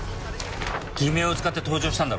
偽名を使って搭乗したんだろう。